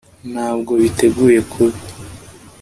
ntabwo biteguye kubi